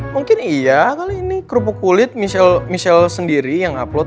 mungkin iya kali ini kerupuk kulit michelle sendiri yang upload